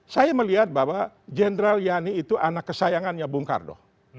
saya melihat bahwa jenderal yani itu anak kesayangannya bung karno